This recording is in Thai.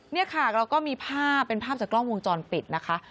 นี่ค่ะเราก็มีภาพเป็นภาพจากกล้องวงจรปิดนะคะ